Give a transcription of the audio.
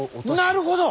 なるほど！